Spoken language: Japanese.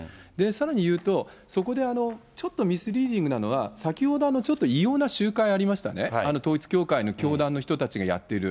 さらに言うと、そこでちょっとミスリーディングなのは、先ほどちょっと異様な集会ありましたね、統一教会の教団の人たちがやっている。